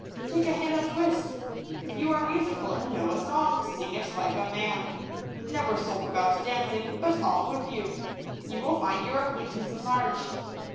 Take a hand at whist. If you are musical, and know a song, sing it like a man. Never sulk about dancing, but off with you. You will find your acquaintance enlarge.